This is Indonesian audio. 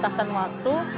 tidak ada batasan waktu